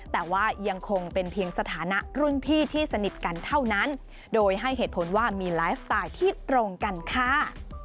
แต่ว่ายังคงเป็นเพียงสถานะรุ่นพี่ที่สนิทกันเท่านั้นโดยให้เหตุผลว่ามีไลฟ์สไตล์ที่ตรงกันค่ะ